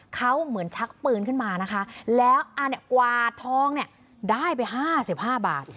เขาเหมือนชักปืนขึ้นมานะคะแล้วอันเนี้ยกวาทองเนี้ยได้ไปห้าสิบห้าบาท